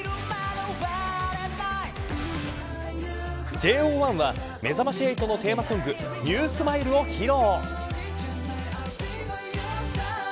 ＪＯ１はめざまし８のテーマソングＮＥＷＳｍｉｌｅを披露。